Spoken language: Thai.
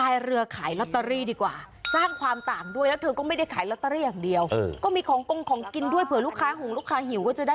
ใช่มันธรรมดาด้วยค่ะแล้วคนขายก็เยอะแยะ